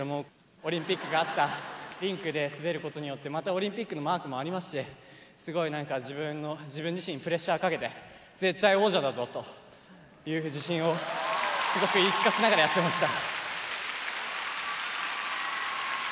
オリンピックがあったリンクで滑ることによってまたオリンピックのマークもありますしすごい何か自分の自分自身にプレッシャーかけて絶対王者だぞという自信をすごく言い聞かせながらやってました。